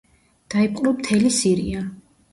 დაიპყრო მთელი სირია.